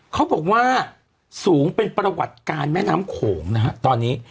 เขาบอกว่าสูงเป็นประวัติการแม่น้ำโขงนะฮะตอนนี้